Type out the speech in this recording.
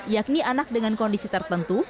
yakni anak dengan kondisi tertentu